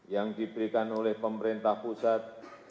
yang diberikan oleh pemerintah pusat